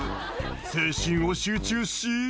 「精神を集中し」